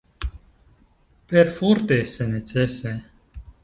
Perforte se necese.